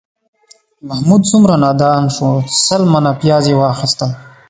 محمود څومره نادان شو، سل منه پیاز یې واخیستل